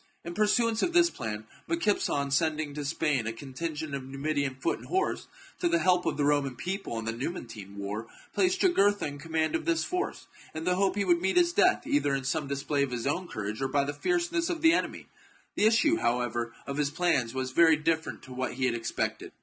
In pursuance of this plan, Micipsa, on sending to Spain a contingent of Numidian foot and horse to the help of the Roman people in the Numantine war, placed Jugurtha in command of this force, in the hope he would meet his death, either in some display of his own courage or by the fierceness of the enemy. The issue, however, of his plans was very different to what he had expected.